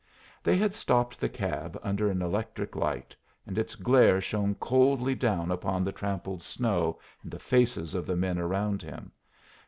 They had stopped the cab under an electric light, and its glare shone coldly down upon the trampled snow and the faces of the men around him.